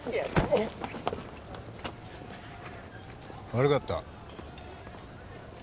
悪かった。